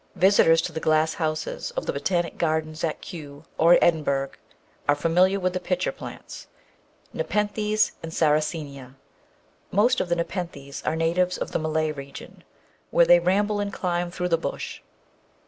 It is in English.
Visitors to the glass houses of the Botanic Gardens at Kew or Edinburgh are familiar with the pitcher plants, Nepenthes and Sarracenia. Most of the Nepenthes are natives of the Malay region, where they ramble and climb through the bush.